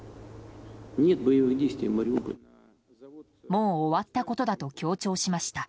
もう終わったことだと強調しました。